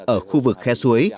ở khu vực khe suối